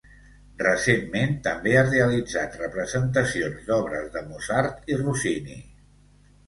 Recentment també ha realitzat representacions d'obres de Mozart i Rossini.